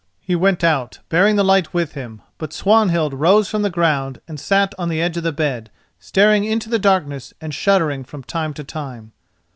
He went out, bearing the light with him; but Swanhild rose from the ground and sat on the edge of the bed, staring into the darkness and shuddering from time to time.